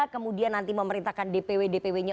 kemudian nanti memerintahkan dpw dpw nya